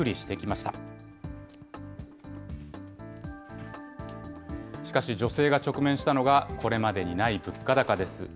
しかし女性が直面したのが、これまでにない物価高です。